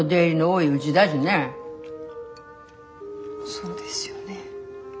そうですよね